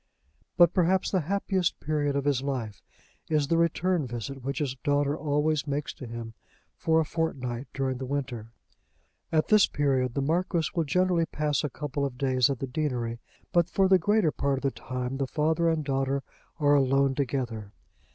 But perhaps the happiest period of his life is the return visit which his daughter always makes to him for a fortnight during the winter. At this period the Marquis will generally pass a couple of days at the deanery, but for the greater part of the time the father and daughter are alone together.